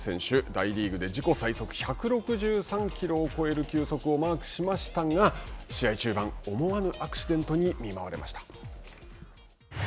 大リーグで自己最速１６３キロを超える球速をマークしましたが試合中盤、思わぬアクシデントに見舞われました。